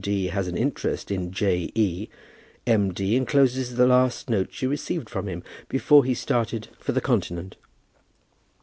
D. has an interest in J. E., M. D. encloses the last note she received from him before he started for the Continent."